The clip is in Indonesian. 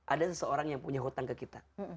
ada seseorang yang punya hutang ke kita